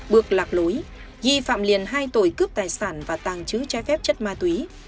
bước lạc lối ghi phạm liền hai tội cướp tài sản và tàng trứ trái phép chất ma túy